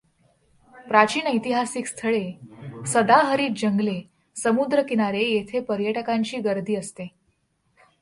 प्राचीन ऐतिहासिक स्थळे, सदाहरित जंगले, समुद्रकिनारे येथे पर्यटकांची गर्दी असते.